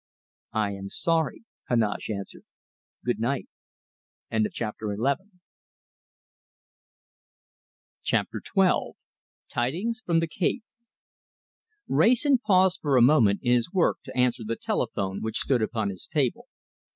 "I am sorry," Heneage answered. "Good night!" CHAPTER XII TIDINGS FROM THE CAPE Wrayson paused for a moment in his work to answer the telephone which stood upon his table.